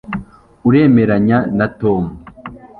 uremeranya na tom